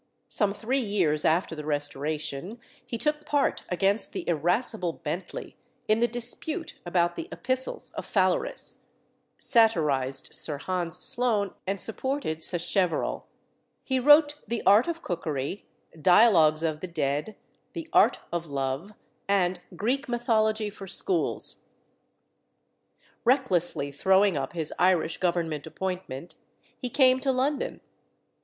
Some three years after the Restoration he took part against the irascible Bentley in the dispute about the Epistles of Phalaris, satirised Sir Hans Sloane, and supported Sacheverell. He wrote The Art of Cookery, Dialogues of the Dead, The Art of Love, and Greek Mythology for Schools. Recklessly throwing up his Irish Government appointment, he came to London.